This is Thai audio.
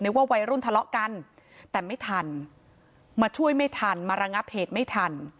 ว่าวัยรุ่นทะเลาะกันแต่ไม่ทันมาช่วยไม่ทันมาระงับเหตุไม่ทัน